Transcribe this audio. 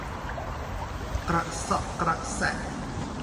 กระเสาะกระแสะ